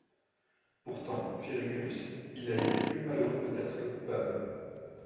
Pourtant, fit Régulus, il a été plus malheureux peut-être que coupable.